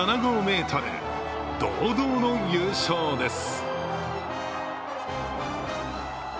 堂々の優勝です。